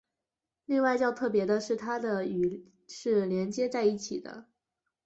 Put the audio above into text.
另外较特别的是它的与是连接在一起的。